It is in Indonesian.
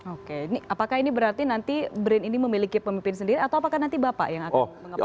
oke apakah ini berarti nanti brin ini memiliki pemimpin sendiri atau apakah nanti bapak yang akan mengapa